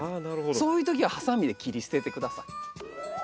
そういうときはハサミで切り捨てて下さい。